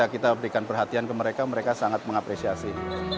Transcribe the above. kita berikan perhatian ke mereka mereka sangat mengapresiasi